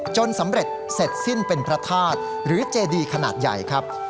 จนสำเร็จเสร็จสิ้นเป็นพระธาตุหรือเจดีขนาดใหญ่ครับ